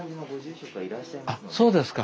あっそうですか。